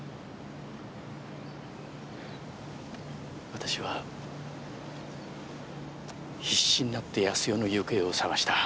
私は必死になって康代の行方を捜した。